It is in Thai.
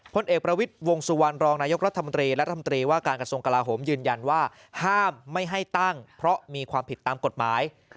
พลเอกประวิทย์วงสุวรรณรองนายกรัฐมนตรีและรัฐมนตรีว่าการกระทรวงกลาโหมยืนยันว่าห้ามไม่ให้ตั้งเพราะมีความผิดตามกฎหมาย